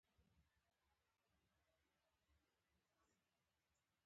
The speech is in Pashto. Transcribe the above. کوښښ د علم ترلاسه کولو شرط دی.